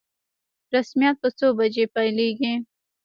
رسميات په څو بجو پیلیږي؟